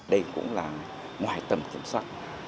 đây cũng là ngoài tầm kiểm soát